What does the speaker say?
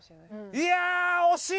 いやぁ惜しい！